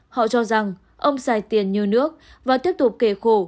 họ cho rằng ông xài tiền nhờ nước và tiếp tục kề khổ